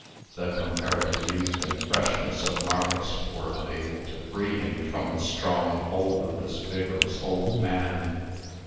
The comparative youth and freshness of Marcus were unable to free him from the strong hold of this vigorous old man.